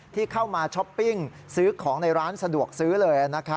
ที่เข้ามาช้อปปิ้งซื้อของในร้านสะดวกซื้อเลย